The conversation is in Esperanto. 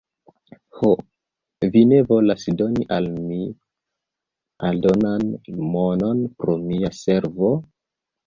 Ho, vi ne volas doni al mi aldonan monon pro mia servo?